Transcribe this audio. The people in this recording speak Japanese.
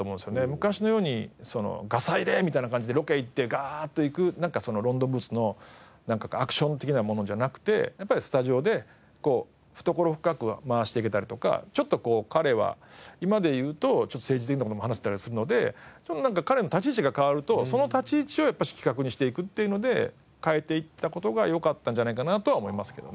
昔のように「ガサ入れ」みたいな感じでロケ行ってガーッといくロンドンブーツのアクション的なものじゃなくてやっぱりスタジオで懐深く回していけたりとかちょっと彼は今で言うと政治的な事も話したりするので彼の立ち位置が変わるとその立ち位置をやっぱし企画にしていくっていうので変えていった事がよかったんじゃないかなとは思いますけどね。